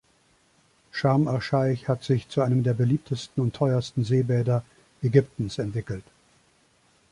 Scharm asch-Schaich hat sich zu einem der beliebtesten und teuersten Seebäder Ägyptens entwickelt.